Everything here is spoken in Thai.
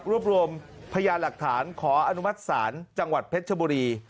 รวบรวมพยานหลักฐานขออนุมัติศาลจังหวัดเพชรชบุรี